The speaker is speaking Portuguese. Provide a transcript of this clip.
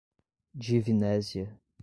Divinésia